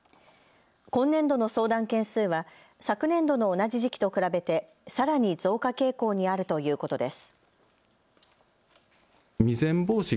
今年度の相談件数は昨年度の同じ時期と比べてさらに増加傾向にあるということです。